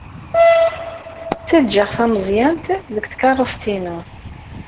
Ttaǧǧaɣ tameẓyant deg tkeṛṛust-inu.